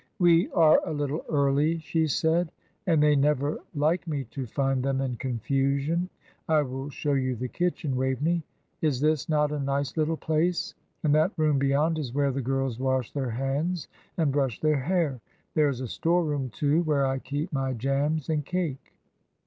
"We are a little early," she said; "and they never like me to find them in confusion. I will show you the kitchen, Waveney. Is this not a nice little place? And that room beyond is where the girls wash their hands and brush their hair. There is a store room, too, where I keep my jams and cake."